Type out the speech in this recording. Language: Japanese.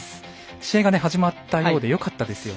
試合が始まったようでよかったですよね。